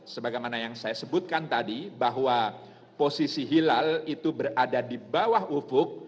sebagaimana yang saya sebutkan tadi bahwa posisi hilal itu berada di bawah ufuk